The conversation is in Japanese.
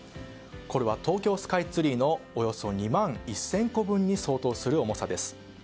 これは、東京スカイツリーのおよそ２万１０００個分に相当する重さです。